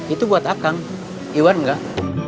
itu buat akang iwan enggak